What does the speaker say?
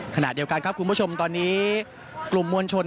ขณะเดียวกันครับคุณผู้ชมตอนนี้กลุ่มมวลชน